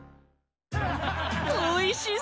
おいしそ！